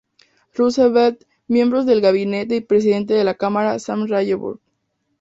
Roosevelt, miembros del gabinete y Presidente de la Cámara Sam Rayburn.